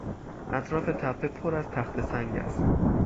اطراف تپه پر از تخته سنگ است.